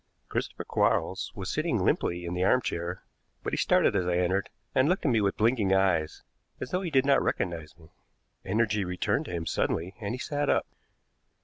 Christopher Quarles was sitting limply in the arm chair, but he started as I entered, and looked at me with blinking eyes, as though he did not recognize me. Energy returned to him suddenly, and he sat up.